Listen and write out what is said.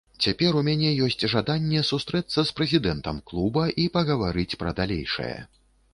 Цяпер у мяне ёсць жаданне сустрэцца з прэзідэнтам клуба і пагаварыць пра далейшае.